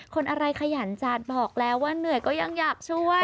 คนอะไรขยันจัดบอกแล้วว่าเหนื่อยก็ยังอยากช่วย